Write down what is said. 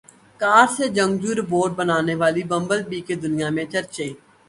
کار سے جنگجو روبوٹ بننے والی بمبل بی کے دنیا میں چرچے